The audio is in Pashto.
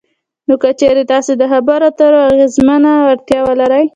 نو که چېرې تاسې دخبرو اترو اغیزمنه وړتیا ولرئ